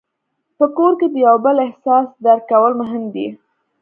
په کور کې د یو بل احساس درک کول مهم دي.